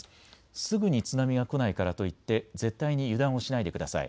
すぐに津波が来ないからといって絶対に油断をしないでください。